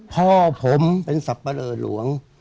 พ่อผมเป็นสับปะเลอหลวง